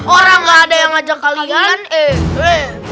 orang gak ada yang ngajak kalian eh